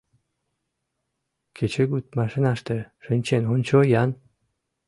Кечыгут машинаште шинчен ончо-ян.